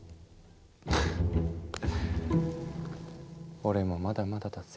俺もまだまだだぜ。